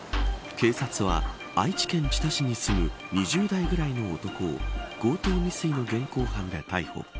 警察は愛知県知多市に住む２０代くらいの男を強盗未遂の現行犯で逮捕。